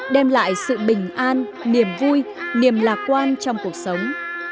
đem lại sự bình an niềm vui niềm lạc quan trong cuộc sống